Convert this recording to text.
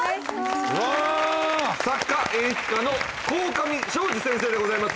うわ作家・演出家の鴻上尚史先生でございます